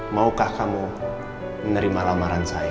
maukah kamu menerima lamaran saya